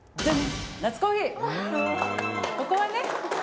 ここはね。